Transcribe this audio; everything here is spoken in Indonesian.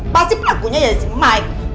pasti pelakunya adalah si mike